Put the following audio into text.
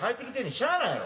しゃあないやろ。